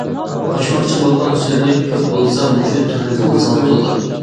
قوشماقچى بولغان سۆزلۈك كۆپ بولسا مۇشۇ تۈرنى تاللىسىڭىز بولىدۇ.